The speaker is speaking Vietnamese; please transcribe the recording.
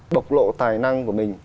bộc lộ tài năng của mình